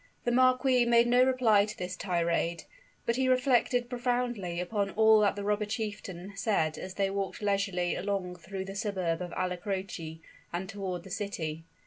The marquis made no reply to this tirade; but he reflected profoundly upon all that the robber chieftain said as they walked leisurely along through the suburb of Alla Croce, and toward the city.